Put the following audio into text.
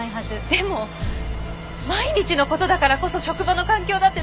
でも毎日の事だからこそ職場の環境だって大事なんです！